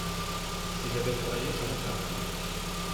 si j'avais travaillé, j'aurais de l'argent.